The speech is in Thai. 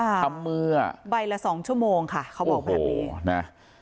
อ่าทำมือใบละสองชั่วโมงค่ะเขาบอกแบบนี้โอ้โหนะ